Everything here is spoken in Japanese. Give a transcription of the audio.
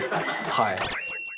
はい。